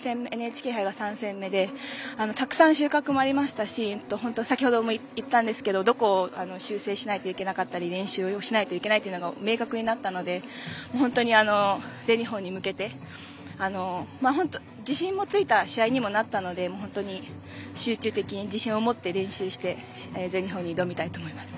ＮＨＫ杯が３戦目でたくさん収穫もありましたし先ほども言ったんですが、どこを修正しなきゃいけなかったり練習をしないといけないかが明確になったので本当に、全日本に向けて自信もついた試合になったので集中的に自信を持って練習をして全日本に挑みたいと思います。